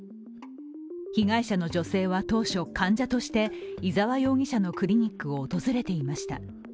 被害者の女性は当初、患者として伊沢容疑者のクリニックを訪れていました。